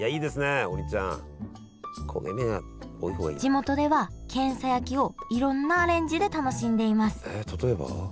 地元ではけんさ焼きをいろんなアレンジで楽しんでいますえ例えば？